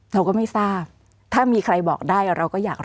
เราก็ไม่ทราบถ้ามีใครบอกได้เราก็อยากรู้